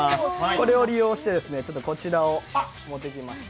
これを利用して、こちらを持ってきました。